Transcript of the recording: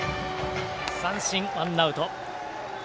三振、ワンアウト。